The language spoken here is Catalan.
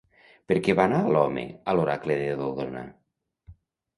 Per què va anar l'home a l'oracle de Dodona?